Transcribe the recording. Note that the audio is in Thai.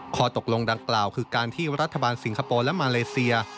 ข้อตกลงดังกล่าวคือการที่รัฐบาลสิงคโปร์และมาเลเซีย